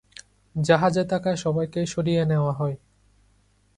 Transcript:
জাহাজে থাকা সবাইকে সরিয়ে নেওয়া হয়।